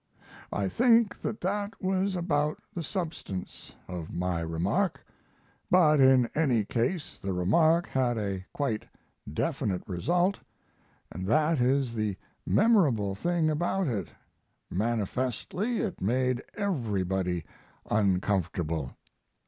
I think that that was about the substance of my remark; but in any case the remark had a quite definite result, and that is the memorable thing about it manifestly it made everybody uncomfortable.